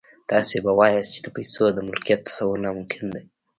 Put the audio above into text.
تاسې به واياست چې د پيسو د ملکيت تصور ناممکن دی.